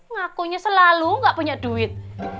ngakunya selalu gak punya duit